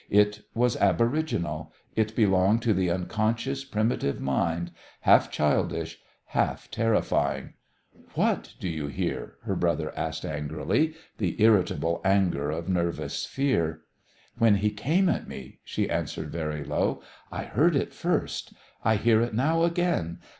It was aboriginal; it belonged to the unconscious primitive mind, half childish, half terrifying. "What do you hear?" her brother asked angrily the irritable anger of nervous fear. "When he came at me," she answered very low, "I heard it first. I hear it now again.